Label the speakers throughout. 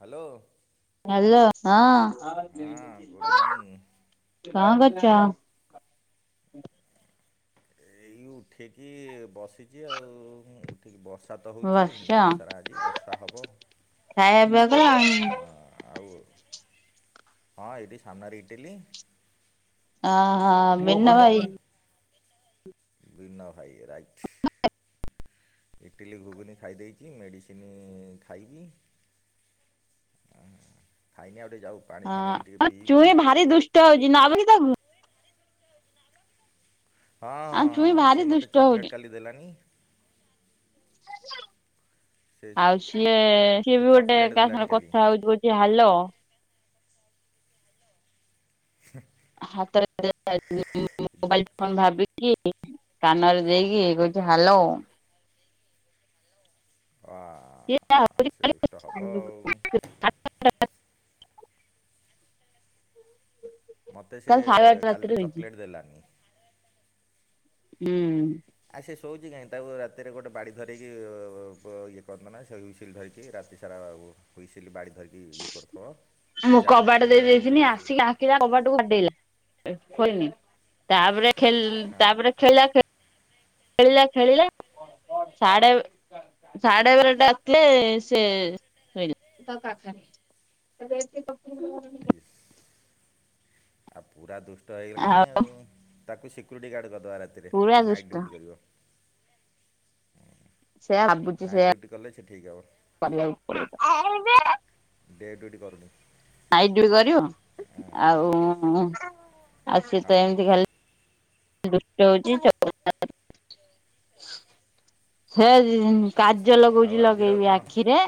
Speaker 1: Hello.
Speaker 2: Hello ହଁ,
Speaker 1: ହଁ good morning
Speaker 2: କଣ କରୁଚ?
Speaker 1: ଏଇ ଉଠିକି ବସିଚି ଆଉ। ଠିକ୍ ବର୍ଷା ତ ହେଉଚି,
Speaker 2: ବସିଛ
Speaker 1: ଦିନସାରା ଆଜି ବର୍ଷା ହବ।
Speaker 2: ଖାଇବା ପିଇବା କଲଣି?
Speaker 1: ଆଉ ହଁ ଏଇଟି ସାମ୍ନାରେ ଇଟିଲି
Speaker 2: ଓହୋ
Speaker 1: ଇଟିଲି
Speaker 2: ବିନୁ ଭାଇ
Speaker 1: ଖାଇଦେଲି, ବୀନ ଭାଇ ରା ଇଟିଲି ଘୁଗୁନି ଖାଇ ଦେଇଚି, ମେଡ଼ିସିନି ଖାଇନି। ଖାଇନି ଆଉ ଟିକେ ଯାଉ। ପାଣି
Speaker 2: ହଁ
Speaker 1: ଫାଣି ଟିକେ
Speaker 2: ଆମ
Speaker 1: ପିଇବି
Speaker 2: ଚୁଇଁ ଭାରି ଦୁଷ୍ଟ ହଉଚି, ନବ କି ତାକୁ? ଆଉ ଚୁଇଁ
Speaker 1: ହଁ-ହଁ-ହଁ
Speaker 2: ଭାରି
Speaker 1: ସିଏ ମତେ
Speaker 2: ଦୁଷ୍ଟ ହଉଛି।
Speaker 1: ଚକୋଲେଟ୍ କାଲି ଦେଲାନି। ସେ
Speaker 2: ଆଉ ସିଏ-ସିଏ
Speaker 1: ସେ
Speaker 2: ବି ଗୋଟେ
Speaker 1: ଚକୋଲେଟ୍
Speaker 2: କାହା
Speaker 1: ଦେଲାନି
Speaker 2: ସାଙ୍ଗରେ
Speaker 1: କାଲି
Speaker 2: କଥା ହଉଚି [unintelligible] କି ହାଲୋ।
Speaker 1: [inaudible]
Speaker 2: ହାତରେ ମୋବାଇଲ୍ ଫୋନ ଭାବି କି କାନରେ ଦେଇକି କହୁଚି ହାଲୋ।
Speaker 1: [unintelligible] ଆଉ ସେ ଦୁଷ୍ଟ ହବ ଆଉ। ମୋତେ ସେ
Speaker 2: କାଲି ସାଢେ ଆଠଟା
Speaker 1: କାଲି
Speaker 2: ରାତିରେ
Speaker 1: ତ
Speaker 2: ହେଇଛି
Speaker 1: ଚକୋଲେଟ୍ ଦେଲାନି।
Speaker 2: ହୁଁ।
Speaker 1: ଆ ସେ ଶୋଉଛି କାହିଁ ତାକୁ ରାତିରେ ଗୋଟେ ବାଡି ଧରିକି ଇଏ କରନ୍ତ ନା ସେ ଉଇସିଲ ଧରିକି ରାତି [unintelligible] ହୁଇସିଲି ବାଡ଼ି ଧରିକି ଇଏ କରୁଥିବ।
Speaker 2: ମୁଁ
Speaker 1: ଜାକ୍
Speaker 2: କବାଟ
Speaker 1: ତେ
Speaker 2: ଦେଇ
Speaker 1: ରହୋ।
Speaker 2: ଦେଇଥିନି ଆସିକି ଡାକିଲା କବାଟକୁ ବାଡେଇଲା। ଖୋଲମି ତାପରେ ଖେଲ୍
Speaker 1: ହଁ
Speaker 2: ତାପରେ ଖେଳିଲା ଖେ ଖେଳିଲା ଖେଳିଲା। ସାଢେ ସାଢେ ବାରଟା ରାତିରେ ସେ ଶୋଇଲା। [inaudible]
Speaker 1: [inaudible] ଆଉ ପୁରା ଦୁଷ୍ଟ ହେଇଗଲାଣି ଆଉ। ତାକୁ ସିକ୍ୟୁରିଟି ଗାର୍ଡ କରିଦେବା ରା ତିରେ।
Speaker 2: ପୁରା
Speaker 1: ନାଇଟ
Speaker 2: ଦୁଷ୍ଟ
Speaker 1: ଡିଉଟି କରିବ।
Speaker 2: ସେୟା ଭାବୁଛି
Speaker 1: ନାଇଟ୍
Speaker 2: ସେୟା।
Speaker 1: ଡ୍ୟୁଟି କଲେ ସେ ଠିକ୍ ହେବ।
Speaker 2: କରିବାକୁ ପଡିବ। ଆ ଈ ବେ
Speaker 1: ଡେ ଡ୍ୟୁଟି କରୁନି।
Speaker 2: ନାଇଡ ଡିଉଟି କରିବ। ଆଉ ଆଉ ସିଏ ତ
Speaker 1: ହଁ।
Speaker 2: ଏମତି ଖାଲି ଦୁଷ୍ଟ ହଉଚି। ଚ [inaudible] ହେ
Speaker 1: ଆଚ୍ଛା
Speaker 2: କାଜଲ
Speaker 1: ଆଉ
Speaker 2: କହୁଛି
Speaker 1: ଆଜିର
Speaker 2: ଲଗେଇବି
Speaker 1: କଣ
Speaker 2: ଆଖିରେ।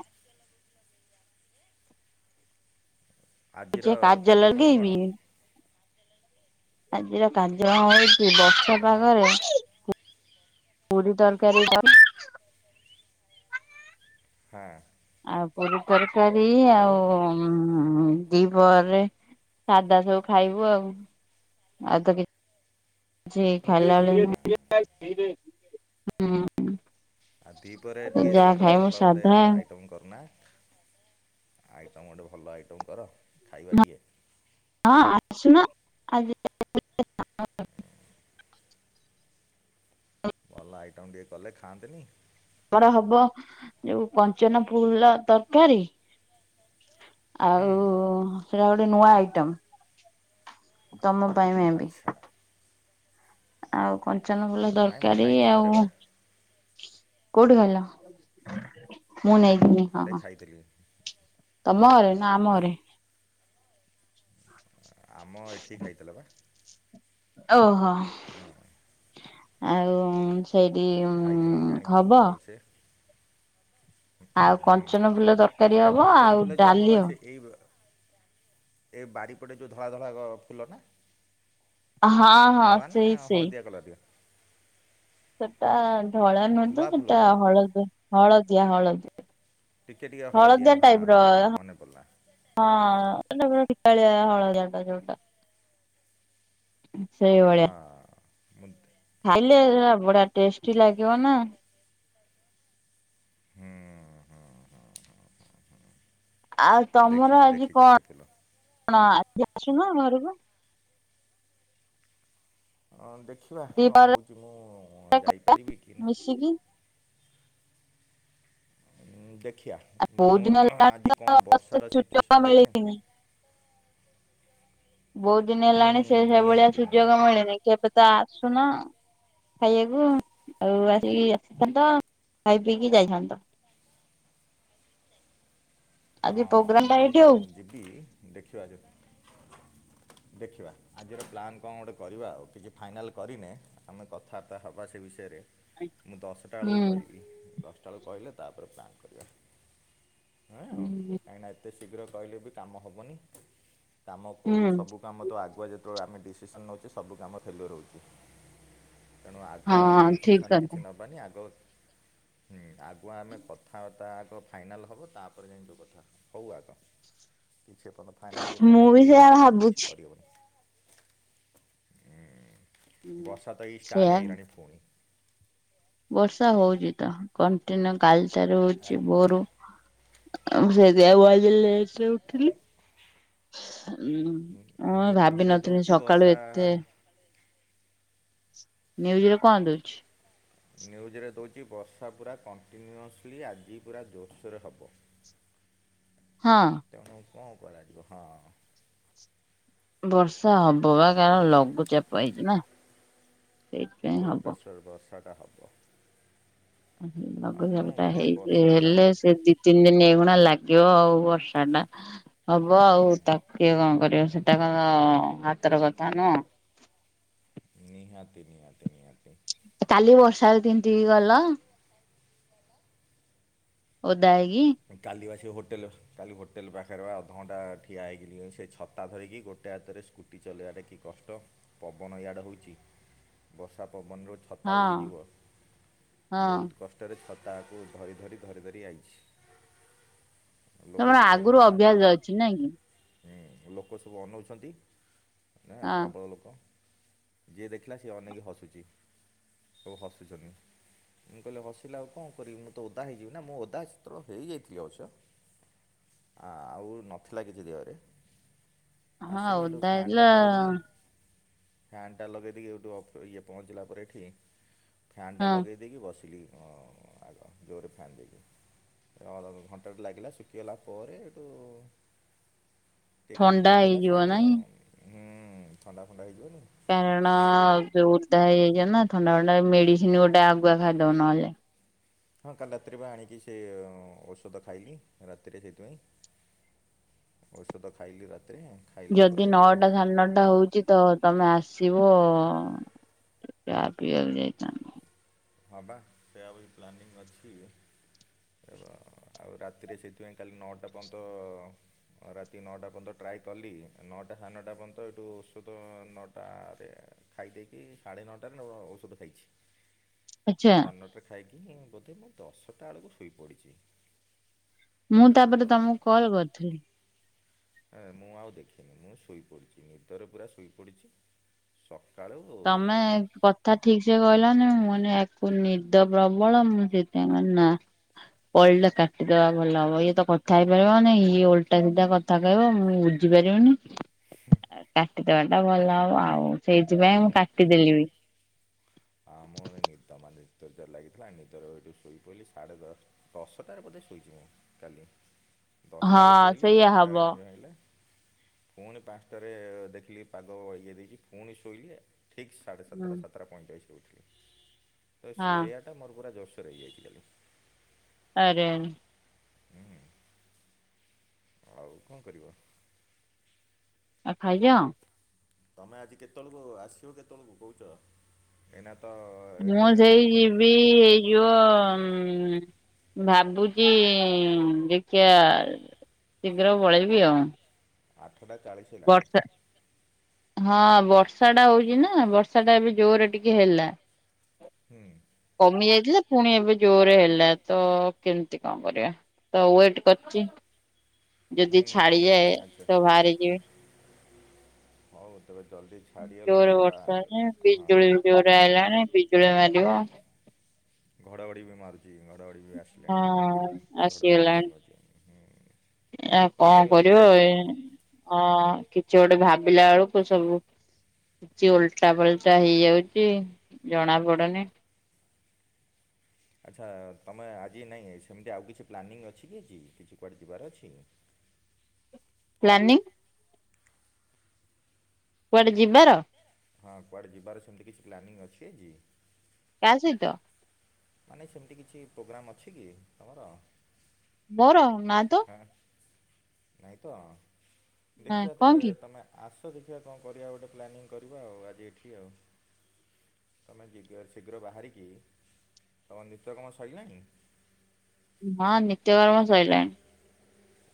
Speaker 2: କହୁଛି
Speaker 1: ଆଜିର
Speaker 2: କାଜଲ
Speaker 1: କାର୍ଯ୍ୟକ୍ରମ
Speaker 2: ଲଗେଇବି
Speaker 1: କଣ?
Speaker 2: ଆଜିର କାର୍ଯ୍ୟକ୍ରମ ହଉଛି ବର୍ଷ
Speaker 1: ହଁ
Speaker 2: ପାଗରେ ପୁରୀ ତରକାରୀ କ
Speaker 1: ଖାଇବା
Speaker 2: ଆଉ ପୁରୀ ତରକାରୀ ଆଉ ହୁଁ ଦି ପହରେ ସାଧା ସବୁ ଖାଇବୁ ଆଉ। ଆଉ ତ କି ଛି ଖାଇଲା
Speaker 1: ହଁ।
Speaker 2: ଭଲିଆ ନୁ [inaudible] ହୁଁ।
Speaker 1: ଆଉ ଦି ପହରେ ଟିକେ ସାଧା ଭଲ ଗୋଟେ
Speaker 2: ସାଧା
Speaker 1: ଆଇଟମ କରୁନା। ଆଇଟମ୍ ଗୋଟେ ଭଲ ଆଇଟମ୍ କର ଖାଇବା ଟିକେ।
Speaker 2: ହଁ ଆସୁନ। ଆଜି
Speaker 1: ଭଲ ଆଇଟମ୍ ଟିକେ କଲେ ଖାଆନ୍ତେନି।
Speaker 2: କରା ହବ ଯୋଉ କଞ୍ଚନ ଫୁଲ ତରକାରୀ ଆଉ
Speaker 1: ହୁଁ
Speaker 2: ସେଇଟା ଗୋଟେ ନୂଆ ଆଇଟମ। ତମ ପାଇଁ ମେ ବି।
Speaker 1: ଆଚ୍ଛା।
Speaker 2: ଆଉ କଞ୍ଚନ ଫୁଲ
Speaker 1: ନାଇଁ ମୁଁ
Speaker 2: ତରକାରୀ
Speaker 1: ଖାଇଛି ଥରେ
Speaker 2: ଆଉ
Speaker 1: ବା
Speaker 2: କୋଉଠୁ ଆଣିଲ? ମୁଁ ନେଇଯିବି।
Speaker 1: ଥରେ
Speaker 2: ହଁ
Speaker 1: ଖାଇଥିଲି। ହଁ
Speaker 2: ତମ ଘରେ
Speaker 1: ହଁ
Speaker 2: ନା ଆମ ଘରେ।
Speaker 1: ଆମ ଏଇଠି ଖାଇଥିଲ ବା।
Speaker 2: ଓହୋ। ଆଉ ହେଇଠି
Speaker 1: ଖାଇଥିଲେ ମୁଁ ଜାଣିଛି
Speaker 2: ହବ।
Speaker 1: ଭଲସେ
Speaker 2: ଆଉ କଞ୍ଚନ
Speaker 1: ହୁଁ।
Speaker 2: ଫୁଲ ତରକାରୀ
Speaker 1: ସେଟା
Speaker 2: ହବ ଆଉ
Speaker 1: କଞ୍ଚନ ଫୁଲ ଯେଉ
Speaker 2: ଡାଲି
Speaker 1: ଆମର ଅଛି
Speaker 2: ହବ
Speaker 1: ଏଇ ଏ ବାଡିପଟେ ଯୋଉ ଧଳା ଧଳା ଫୁଲ ନା।
Speaker 2: ହଁ ହଁ
Speaker 1: ଧଳା ନା
Speaker 2: ସେଇ ସେଇ
Speaker 1: ହଳଦିଆ କଲର। [inaudible]
Speaker 2: ସେଟା ଧଳା ନୁହଁ ତ ସେଟା ହଳଦିଆ ହଳଦିଆ ହଳଦିଆ।
Speaker 1: ଟିକିେ ଟିକେ ହଳଦିଆ ହଁ
Speaker 2: ଟାଇପ
Speaker 1: ହଁ
Speaker 2: ର
Speaker 1: ହଁ ମନେ ପଡ଼ିଲା।
Speaker 2: ହଁ [unintelligible] ଫିକାଳିଆ ହଳଦିଆ ଟା ଯୋଉଟା। ସେଇ
Speaker 1: ହଁ ମୁ।
Speaker 2: ଖାଇଲେ ସେଟା ବଢିଆ ଟେଷ୍ଟି ଲାଗିବ ନା।
Speaker 1: ହୁଁ ହୁଁ ହୁଁ ହୁଁ ହୁଁ।
Speaker 2: ଆଉ ତମର ଆଜି କଣ
Speaker 1: ଫୁଲ।
Speaker 2: କଣ ଆଜି ଆସୁନ ଘରକୁ।
Speaker 1: ହଁ ଦେଖିବା କଣ
Speaker 2: ଦିପହରେ
Speaker 1: ହଉଛି ମୁଁ ଯାଇପାରିବି କି
Speaker 2: ମିଶିକି
Speaker 1: ଦେଖିବା ମୁଁ
Speaker 2: ବହୁତ ଦିନ ହେଲାଣି
Speaker 1: ଆଜି କଣ ବର୍ଷାର
Speaker 2: ସୁଯୋଗ
Speaker 1: ସିଚୁଏସନ୍ ଦେଖେ।
Speaker 2: ମିଳିନି ବହୁତ ଦିନ
Speaker 1: ହୁଁ
Speaker 2: ହେଲାଣି ସେ ସେଭଳିଆ
Speaker 1: ନିହାତି
Speaker 2: ସୁଯୋଗ
Speaker 1: ନିହାତି
Speaker 2: ମିଳିନି କେବେ ତ ଆସୁନ। ଖାଇବାକୁ ଆଉ ଆଜି ଆସିଥାନ୍ତ ଖାଇ ପିଇକି ଯାଇଥାନ୍ତ।
Speaker 1: [inaudible] ହଁ
Speaker 2: ଆଜି ପ୍ରୋଗ୍ରାମ ଟା
Speaker 1: ନାଇଁ
Speaker 2: ଏଇଠି
Speaker 1: ମୁଁ
Speaker 2: ହଉ
Speaker 1: ଯିବି ଦେଖିବା ଯଦି। ଦେଖିବା ଆଜିର ପ୍ଲାନ୍ କଣ ଗୋଟେ କରିବା ଆଉ କିଛି ଫାଇନାଲ୍ କରିନେ। ଆମେ କଥାବାର୍ତ୍ତା ହବା ସେ ବିଷୟରେ। ମୁଁ ଦଶଟା ବେଳକୁ କହିବି ଦଶଟା ବେଳକୁ କହିଲେ ତାପରେ ପ୍ଲାନ୍ କରିବା। ହଁ
Speaker 2: ହୁଁ
Speaker 1: କାଇଁକିନା ଏତେ ଶୀଘ୍ର କହିଲେ ବି କାମ ହେବନି କାମ ଭୋଉ
Speaker 2: ହୁଁ
Speaker 1: ସବୁ କାମ ତ ଆଗୁଆ ଯେତେବେଳେ ଆମେ ଡିସିସନ୍ ନେଉଚେ ସବୁ କାମ ଫେଲୁଅର ହେହୁଚି। ତେଣୁ ଆଗୁଆ ଆମେ
Speaker 2: ହଁ ଠିକ
Speaker 1: ଡିସିସନ୍
Speaker 2: କଥା
Speaker 1: କିଛି ନେବାନି ଆଗ ହୁଁ ଆଗୁଆ ଆମେ କଥାବାର୍ତା ଆଗ ଫାଇନାଲ୍ ହବ ତାପରେ ଯାଇଁ ଯୋଉ କଥା। ହଉ ଆଗା କି ସେପର୍ଯ୍ୟନ୍ତ ଫାଇନାଲ ଯେ
Speaker 2: ମୁଁ
Speaker 1: ପର୍ଯ୍ୟନ୍ତ
Speaker 2: ବି
Speaker 1: ହେଇନି
Speaker 2: ସେୟା
Speaker 1: ସେ ପର୍ଯ୍ୟନ୍ତ କିଛି
Speaker 2: ଭାବୁଛି।
Speaker 1: କରହବନି। ହୁଁ ବର୍ଷା ତ ଏଇ ଷ୍ଟାର୍ଟ
Speaker 2: ସେୟା
Speaker 1: ହେଇଗଲାଣି ପୁଣି।
Speaker 2: ବର୍ଷା ହଉଚି ତ କଣ୍ଟିନିୟୁ କାଲଠାରୁ
Speaker 1: ଆ,
Speaker 2: ହଉଚି ଭୋରୁ ମୁଁ ସେଥିପାଇଁ [unintelligible] ରେ ଉଠିଲି ମୁଁ
Speaker 1: ନ୍ୟୁଜ୍ରେ
Speaker 2: ଭାବିନଥିଲି
Speaker 1: ଦେଉଛି
Speaker 2: ସକାଳୁ
Speaker 1: ବର୍ଷା
Speaker 2: ଏତେ ନ୍ୟୁଜରେ କଣ ଦଉଚି?
Speaker 1: ନ୍ୟୁଜରେ ଦେଉଚି ବର୍ଷା ପୁରା କଣ୍ଟିନ୍ୟୁଅସ୍ଲି ଆଜି ପୁରା ଜୋରସୋରରେ ହେବ।
Speaker 2: ହଁ।
Speaker 1: ତେଣୁ କଣ କରାଯିବ ହଁ।
Speaker 2: ବର୍ଷା ହବ ବା କାରଣ ଲଘୁଚାପ ହେଇଚି ନା। ସେଇଥିପାଇଁ
Speaker 1: ଲୋ
Speaker 2: ହବ।
Speaker 1: ପ୍ରେସର ବର୍ଷାଟା ହେବ। ଆଉ କ'ଣ
Speaker 2: ଲଘୁଚପ ଟା
Speaker 1: କରିବା
Speaker 2: ହେଇଚି
Speaker 1: ବର୍ଷା ହେଲା
Speaker 2: ହେଲେ
Speaker 1: ଆଉ
Speaker 2: ସେ ଦି ତିନି ଦିନ ଏଖୁଣା ଲାଗିବ ଆଉ ବର୍ଷା ଟା। ହବ ଆଉ ତା କିଏ କଣ କରିବ ସେଟା କଣ ତ ହାତର କଥା ନୁହଁ?
Speaker 1: ନିହାତି ନିହାତି ନିହାତି।
Speaker 2: କାଲି ବର୍ଷା ତିନ୍ତିକି ଗଲ। ଓଦା ହେଇକି।
Speaker 1: କାଲି ବା ସେ ହୋଟେଲ କାଲି ହୋଟେଲ୍ ପାଖରେ ବା ଅଧଘଣ୍ଟା ଠିଆ ହେଇକି ସେ ଛତା ଧରିକି ଗୋଟେ ହାତରେ ସ୍କୁ ଚୁଟି ଚଲେଇବାଟା କି କଷ୍ଟ ପବନ ଇଆଡ଼େ ହୋଉଚି ବର୍ଷା ପବନର ଛତା
Speaker 2: ହଁ
Speaker 1: ଉଡ଼ିଯିବ
Speaker 2: ହଁ।
Speaker 1: ବହୁତ କଷ୍ଟରେ ଛତାକୁ ଧରି ଧରି ଧରି ଧରି ଆଇଛି। ଲୋକ
Speaker 2: ତମର
Speaker 1: ସବୁ
Speaker 2: ଆଗରୁ
Speaker 1: ଅନଉଥାନ୍ତି।
Speaker 2: ଅଭ୍ୟାସ ଅଛି ନାଇଁ କି
Speaker 1: ହୁଁ ଲୋକ ସବୁ ଅନଉଛନ୍ତି ଆଁ
Speaker 2: ହଁ
Speaker 1: ପ୍ରବଳ ଲୋକ। ଯିଏ ଦେଖିଲା ସିଏ ଅନେକି ହସୁଚି। ସବୁ ହସୁଛନ୍ତି ମୁଁ କହିଲେ ହସିଲା ମୁଁ ଆଉ କଣ କରିବି ମୁଁ ତ ଓଦା ହେଇଯିବି ନା ମୁଁ ଓଦା ତ୍ର ହେଇଯାଇଥିଲି ଅବଶ୍ୟ। ଆଉ ନଥିଲା କିଛି ଦେହରେ।
Speaker 2: ହଁ
Speaker 1: ଆସିଲି ହେଠୁ
Speaker 2: ଓଦା
Speaker 1: ଫ୍ୟାନ୍ ଟା
Speaker 2: ହେଇଥିଲା
Speaker 1: ନଗେଇଦେଇକି ଫ୍ୟାନ୍ ଟା ଲଗେଇ ଦେଇକି ଏଉଠି ଅଫ ଇଏ ପହଞ୍ଚିଲା ପରେ ଏଠି ଫ୍ୟାନ୍ଟା
Speaker 2: ହଁ
Speaker 1: ଲଗେଇ ଦେଇକି ବସିଲି। ହଁ ଆଗ ଜୋରରେ ଫ୍ୟାନ୍ ଦେଇକି। ଅଳ ଘଣ୍ଟା ଲାଗିଲା ଶୁଖିଗଲା ପରେ ହେଠୁ। ଟିକେ କାମ
Speaker 2: ଥଣ୍ଡା
Speaker 1: ଫାମ ଥିଲା
Speaker 2: ହେଇଯିବ
Speaker 1: ଶାଇଲି
Speaker 2: ନାଇଁ
Speaker 1: ଆଉ ହୁଁ ଥଣ୍ଡା ଫଣ୍ଡା ହେଇଯିବନି।
Speaker 2: କାରଣ ଯୋଉ ଓଦା ହେଇଯାଇଚ ନା ଥଣ୍ଡା ଫଣ୍ଡା ମେଡିସିନ ଗୋଟେ ଆଗୁଆ ଖାଇଦବ ନହେଲେ।
Speaker 1: ହଁ କାଲି ରାତିରେ ବା ଆଣିକି ସେ ଔଷଧ ଖାଇଲି ରାତିରେ ସେଇଥିପାଇଁ। ଔଷଧ ଖାଇଲି ରାତିରେ। ଖାଇଲା
Speaker 2: ଯଦି
Speaker 1: ପରେ ଟିକେ ଭଲ
Speaker 2: ନଅଟା ସାନ ନଟା ହଉଚି ତ ତମେ ଆସିବ ଚା ପିଇବାକୁ ଯାଇଚନ୍ତି।
Speaker 1: ହଁ ବା ସୋୟା ଭଳି ପ୍ଲାନିଂ ଅଛି। ଆଉ ରାତିରେ ସେଇଥିପାଇଁ କାଲି ନଅଟା ପନ୍ତ ଅଁ ରାତି ନଅଟା ପର୍ଯ୍ୟନ୍ତ ଟ୍ରାଏ କଲି ନଅଟା ସାଢ଼େ ନଅଟା ପର୍ଯ୍ୟନ୍ତ ହେଠୁ ଔଷଧ ନଅଟା ରେ ଖାଇ ଦେଇକି ସାଢ଼େ ନଅଟାରେ ଔଷଧ ଖାଇଛି।
Speaker 2: ଆଚ୍ଛା
Speaker 1: ସାନଟା ଖାଇକି ବୋଧେ ମୁଁ ଦଶଟା ବେଳକୁ ଶୋଇପଡିଚି।
Speaker 2: ମୁଁ ତାପରେ ତମକୁ କଲ୍ କରୁଥିଲି।
Speaker 1: ହ ମୁଁ ଆଉ ଦେଖିନି ମୁଁ ଶୋଇପଡ଼ିଛି ନିଦରେ ପୁରା ଶୋଇପଡ଼ିଛି। ସକାଳୁ
Speaker 2: ତା ଠିକ ସେ କହିଲାନି ମୁଆକୁ ନିଦ ପ୍ରବଳ ମୁଁ ସେଥିପାଇ ନା ଓଲ୍ଟା କାଟିଦବା ଭଲ ହବ ଇଏ ତ କଥା ହେଇପାରିବନି ଓଲ୍ଟା ସିଧା କଥା କହିବ ମୁଁ ବୁଝିପାରିବିନି କାଟିଦବାଟା ଭଲ ହବ ଆଉ ସେଇଥିପାଇଁ ମୁଁ କାଟିଦେଲି ବି
Speaker 1: ହଁ ମୁଁ ନିଦମାନିଦ ଜୋରେ ଲାଗିଥିଲା ନିଜ ଏଠୁ ଶୋଇ ପଡ଼ିଲି ସାଢେ ଦଶ ଦଶଟାରେ ବୋଧେ ଶୋଇଛି ମୁଁ କାଲି ଦଶଟାରୁ
Speaker 2: ହଁ
Speaker 1: ଶୋଇଲି
Speaker 2: ସେଇଆ
Speaker 1: ପାଞ୍ଚଟାରେ
Speaker 2: ହବ
Speaker 1: ନିଦ ଭାଙ୍ଗିଲା ପୁଣି ପାଞ୍ଚଟାରେ ଦେଖିଲି ପାଗ ଇଗ ଦେଇଛି ପୁଣି ଶୋଇଲେ ଠିକ ସାଢ଼େ
Speaker 2: ହୁଁ
Speaker 1: ସାତଟା ସାତଟା ପଇଁଚାଳିଶରେ ଉଠିଲି ତ
Speaker 2: ହଁ
Speaker 1: ଶୁଆଇବାଟା ମୋର ପୁରା ଜୋରସୋର ହେଇଯାଇଛିଥିଲା।
Speaker 2: ଆରେ ଆରେ
Speaker 1: ଆଉ କଣ କରିବ?
Speaker 2: ଆ ଖାଇ ଦିଅ।
Speaker 1: ତମେ ଆଜି କେତେବେଳକୁ ଆସିବ କେତେବେଳକୁ କହୁଛ ଏଇନା ତ
Speaker 2: ମୁଁ
Speaker 1: ହେଲାଣି
Speaker 2: ସେଇ
Speaker 1: କେତେଟା
Speaker 2: ଯିବି ଏଇ ଯିବ ଭାବୁଛି ଏ ଦେଖିିବା ଶୀଘ୍ର ବଳେଇବି ଆଉ।
Speaker 1: ଆଠଟା ଚାଳିଶ ହେଲାଣି
Speaker 2: ବର୍ଷା। ହଁ ବର୍ଷାଟା ହଉଛି ନା ବର୍ଷାଟା ଏବେ ଜୋରରେ ଟିକେ ହେଲା।
Speaker 1: ହଁ।
Speaker 2: କମି ଯାଇଥିଲା ପୁଣି ଏବେ ଜୋରରେ ହେଲା ତ କେମିତି କଣ କରିବା? ତ ୱେଟ କରିଛି। ଯଦି
Speaker 1: ହୁଁ
Speaker 2: ଛାଡିଯାଏ
Speaker 1: ଆଚ୍ଛା
Speaker 2: ତ ବାହାରି ଯିବେ
Speaker 1: ହଉ ତବେ ଜଲ୍ଦି ଛାଡ଼ିି ଗଲେ
Speaker 2: ଜୋରେ
Speaker 1: ମତେ
Speaker 2: ବର୍ଷା
Speaker 1: ବାଦ
Speaker 2: ଯେ
Speaker 1: ହ
Speaker 2: ବିଜୁଳି ବି ଜୋରେ ଆଇଲାଣି ବିଜୁଳି ମାରିବ।
Speaker 1: ଘଡ଼ଘଡ଼ି ବି ମାରୁଛି ଘଡ଼ଘଡ଼ି ବି ଆସିଲେଣି
Speaker 2: ହଁ
Speaker 1: ମାରୁଛି ଘଡ଼ଘଡ଼ି ବିଛିଁ
Speaker 2: ଏ କଣ କରିବ ଏ ହଁ କିଛି ଗୋଟେ ଭାବିଲା ବେଳକୁ ସବୁ କିଛି ଓଲଟା ପଲଟା ହେଇଯାଉଛି ଜଣା ପଡ଼ୁନି।
Speaker 1: ଆଚ୍ଛା ତୁମେ ଆଜି ନାହିଁ ସେମିତି ଆଉ କିଛି ପ୍ଲାନିଂ ଅଛି କି ଆଜି କିଛି କୁଆଡ଼େ ଯିବାର ଅଛି?
Speaker 2: ପ୍ଲାନିଂ। କୁଆଡେ ଯିବାର
Speaker 1: ହଁ କୁଆଡ଼େ ଯିବାର ସେମିତି କିଛି ପ୍ଲାନିଂ ଅଛି ଆଜି।
Speaker 2: କା ସହିତ
Speaker 1: ମାନେ ସେମିତି କିଛି ପ୍ରୋଗ୍ରାମ୍ ଅଛି କି ତମର?
Speaker 2: ମୋର ନାଁ ତ।
Speaker 1: ନାଇଁ ତ
Speaker 2: ନା
Speaker 1: ଦେଖିବା
Speaker 2: କଣ
Speaker 1: ତେବେ
Speaker 2: କି?
Speaker 1: ତମେ ଆସ ଦେଖିବା କଣ କରିବା ଗୋଟେ ପ୍ଲାନିଂ କରିବା ଆଜି ଏଠି? ତୁମେ ଶୀଘ୍ର ଶିଘ୍ର ବାହାରିକି ତମ ନିତ୍ୟ କର୍ମ ସରିଲାଇଁ?
Speaker 2: ହଁ ନିତ୍ୟକର୍ମ ସଇଲାଣି।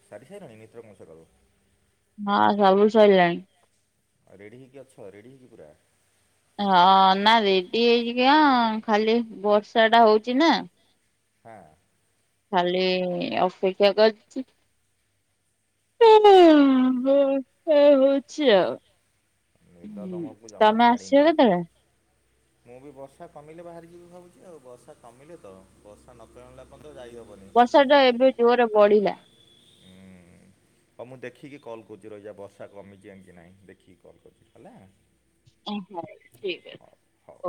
Speaker 1: ସାରି ସାଇଲଣି ନିତ୍ୟ କମ ସକାଳୁ।
Speaker 2: ହଁ ସବୁ ସଇଲାଣି।
Speaker 1: ଆଉ ରେଡ଼ି ହେଇକି ଅଛ ରେଡ଼ି ହେଇକି ପୁରା।
Speaker 2: ହଁ ନା ରେଡି ହେଇକି କିଆଁ ଖାଲି ବର୍ଷା ଟା ହଉଚି ନା।
Speaker 1: ହାଁ।
Speaker 2: ଖାଲି ଅପେକ୍ଷା କରିଚି। ଆ ହ ହା ହୋଉଚି ଆଉ।
Speaker 1: ନିଦ
Speaker 2: ହୁଁ
Speaker 1: ତମକୁ ଜମା
Speaker 2: ତମେ ଆସିବ
Speaker 1: ଛାଡ଼ିନି।
Speaker 2: କେତେବେଳେ
Speaker 1: ମୁଁ ବି ବର୍ଷା କମିଲେ ବାହାରିଯିବି ଭାବୁଚି ଆଉ ବର୍ଷା କମିଲେ ତ ବର୍ଷା ନକମିଲା ପର୍ଯ୍ୟନ୍ତ ଯାଇହବନି।
Speaker 2: ବର୍ଷାଟା ଏବେ ଜୋରେ ବଢିଲା।
Speaker 1: ହୁଁ ହୋଉ ମୁଁ ଦେଖିକି କଲ୍ କରୁଚି ରହିଯା ବର୍ଷା କମିଚି ଏମିତି କି ନାଇଁ ଦେଖିକି କଲ୍ କରଚି ହେଲା।
Speaker 2: ଆ ହୋଉ ଠିକ ଅ
Speaker 1: ହଉ ହଉ